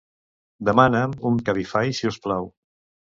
Demana'm un Cabify, si us plau.